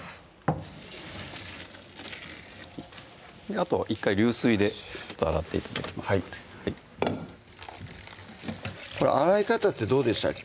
あと１回流水で洗って頂きますので洗い方ってどうでしたっけ？